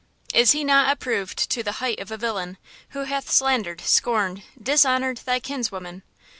Is he not approved to the height of a villain, who hath slandered, scorned, dishonored thy kinswoman.